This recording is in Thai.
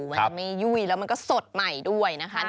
มันจะไม่ยุ่ยแล้วมันก็สดดูไว้